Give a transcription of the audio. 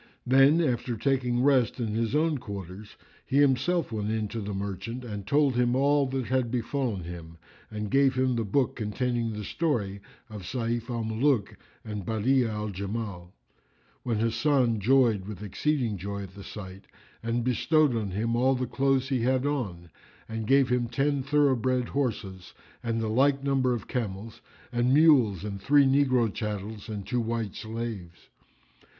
Then, after taking rest in his own quarters he himself went in to the Merchant and told him all that had befallen him and gave him the book containing the story of Sayf al Muluk and Badi'a al Jamal, when Hasan joyed with exceeding joy at the sight and bestowed on him all the clothes he had on and gave him ten thoroughbred horses and the like number of camels and mules and three negro chattels and two white slaves.